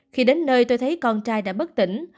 khi đến nơi tôi thấy con trai đã bất tỉnh